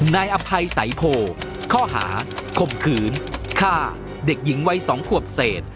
นายอภัยสายโพข้อหาคมขืนฆ่าเด็กหญิงวัย๒ขวบเศษ